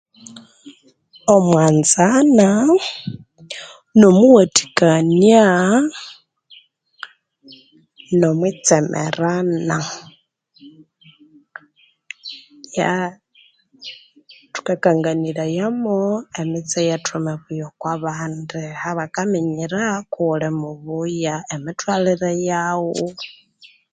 Omwanzana nomwiwathikania nomwitsemerana ya thukakangiranayamo emitse yethu mibuya okobandi habakaminyira koghuli mibuya emitwalire yagho